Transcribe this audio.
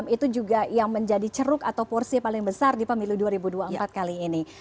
itu juga yang menjadi ceruk atau porsi paling besar di pemilu dua ribu dua puluh empat kali ini